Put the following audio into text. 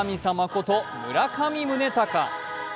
こと村上宗隆。